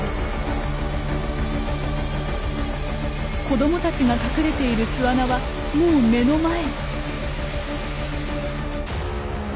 子供たちが隠れている巣穴はもう目の前。